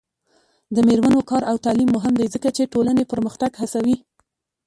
د میرمنو کار او تعلیم مهم دی ځکه چې ټولنې پرمختګ هڅوي.